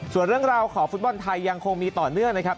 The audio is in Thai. ส่วนเรื่องราวของฟุตบอลไทยยังคงมีต่อเนื่องนะครับ